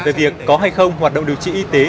về việc có hay không hoạt động điều trị y tế